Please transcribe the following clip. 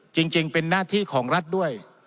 จริงเป็นหน้าที่ของรัฐด้วย